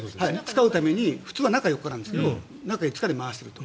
使うために普通は中４日ですが中５日で回していると。